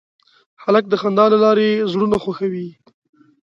هلک د خندا له لارې زړونه خوښوي.